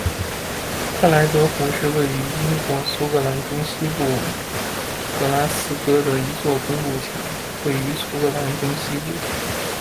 克莱德弧是位于英国苏格兰中西部格拉斯哥的一座公路桥，位于苏格兰中西部。